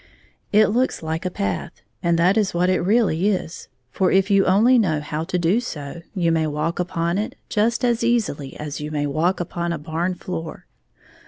It looks like a path, and that is what it really is, for if you only know how to do so, you may walk upon it just as easily as you may walk upon a barn floor.